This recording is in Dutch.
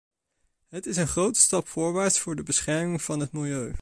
Het is een grote stap voorwaarts voor de bescherming van het milieu.